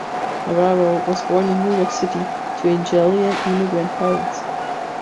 Navarro was born in New York City to Italian immigrant parents.